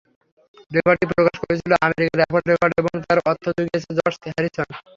রেকর্ডটি প্রকাশ করেছিল আমেরিকার অ্যাপল রেকর্ড এবং তার অর্থ জুগিয়েছিলেন জর্জ হ্যারিসন।